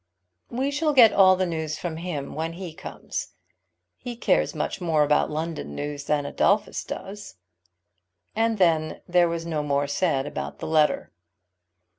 We shall get all the news from him when he comes. He cares much more about London news than Adolphus does." And then there was no more said about the letter.